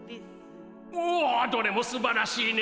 おおどれもすばらしいね。